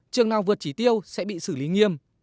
trường nào vượt chỉ tiêu sẽ bị xử lý nghiêm